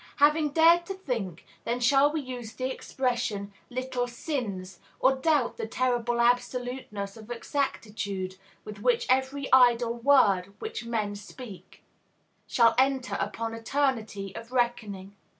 Having dared to think, then shall we use the expression "little sins," or doubt the terrible absoluteness of exactitude with which "every idle word which men speak" shall enter upon eternity of reckoning.